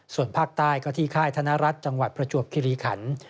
ส่วนภาคใต้ก็ที่ค่ายธนรัฐจังหวัดประจวบคิริขัน